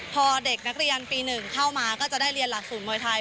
พอเด็กนักเรียนปี๑เข้ามาก็จะได้เรียนหลักศูนย์มวยไทย